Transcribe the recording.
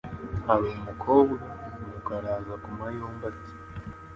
ari umukobwa Nuko araza akoma yombi ati